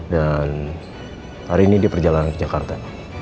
dan hari ini di perjalanan ke jakarta